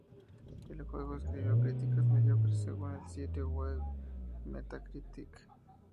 El juego recibió críticas mediocres según el sitio web Metacritic.